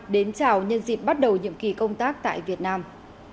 đến chào nhân dịp bắt đầu nhiệm kỳ công tác tại việt nam